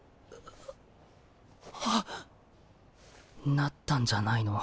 なったんじゃないの？